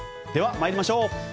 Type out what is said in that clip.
では参りましょう。